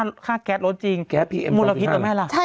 หนึ่งค่าแก๊สรถจริงมูลพิษตรงไหนล่ะ